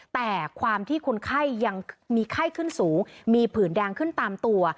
แต่ความที่คนไข้ยังมีไข้ขึ้นสูงมีผื่นแดงขึ้นตามตัว